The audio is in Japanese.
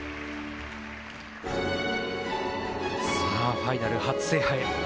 ファイナル初制覇へ。